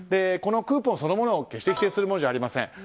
このクーポンそのものを決して否定するわけではありません。